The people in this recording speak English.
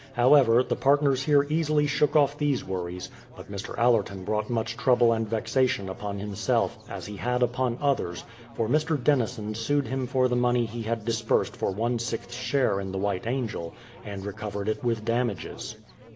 However, the part ners here easily shook off these worries ! but Mr. Allerton brought much trouble and vexation upon himself, as he had upon others, for Mr. Denison sued him for the money he had disbursed for one sixth share in the White Angel, and recovered it with damages.